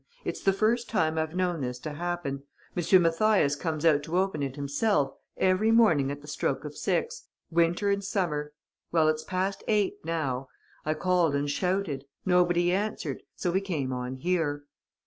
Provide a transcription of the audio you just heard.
"It's the first time I've known this to happen. M. Mathias comes out to open it himself, every morning at the stroke of six, winter and summer. Well, it's past eight now. I called and shouted. Nobody answered. So we came on here."